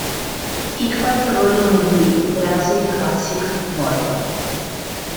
Il quarto volume di "Brazil Classics, Vol.